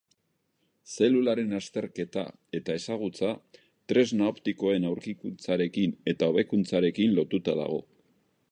Zelularen azterketa eta ezagutza tresna optikoen aurkikuntzarekin eta hobekuntzarekin lotuta dago.